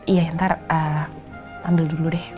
iya ntar ambil dulu deh